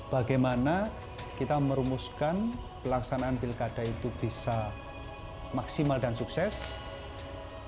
bagaimana kita merumuskan pelaksanaan pilkada itu bisa maksimal dan sukses